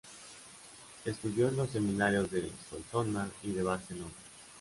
Estudió en los seminarios de Solsona y de Barcelona.